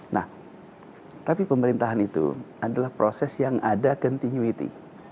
nah tapi pemerintahan itu adalah proses yang ada continuity